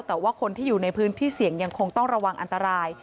แต่ว่าคนที่อยู่ในพื้นที่เสี่ยงยังคงต้องระวังอันตราย